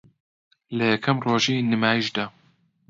لە یەکەم رۆژی نمایشیدا